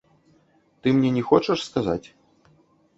Ты мне не хочаш сказаць?